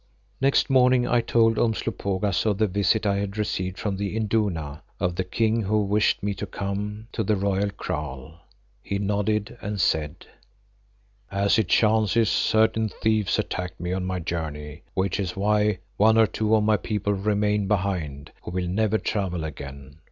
Next morning I told Umslopogaas of the visit I had received from the Induna of the King who wished me to come to the royal kraal. He nodded and said, "As it chances certain thieves attacked me on my journey, which is why one or two of my people remain behind who will never travel again.